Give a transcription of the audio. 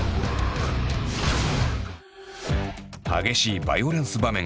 激しいバイオレンス場面が満載。